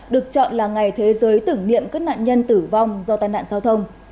được chọn là ngày thế giới tưởng niệm các nạn nhân tử vong do tai nạn giao thông